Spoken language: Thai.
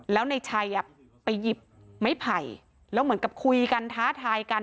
แล้วในชัยไปหยิบไม้ไผ่แล้วเหมือนกับคุยกันท้าทายกัน